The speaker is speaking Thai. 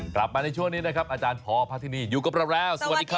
กลับมาในช่วงนี้นะครับอาจารย์พอพระธินีอยู่กับเราแล้วสวัสดีครับ